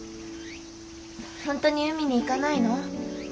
本当に海に行かないの？